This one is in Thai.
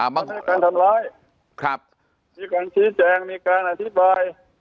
อ่ามั่นมีการทำร้ายครับมีการชี้แจงมีการอธิบาย